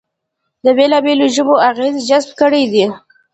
د بېلابېلو ژبو اغېزې جذب کړې دي